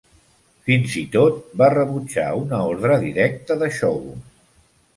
Fins i tot va rebutjar una ordre directa de Shogun.